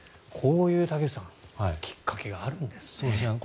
竹内さん、こういうきっかけがあるんですね。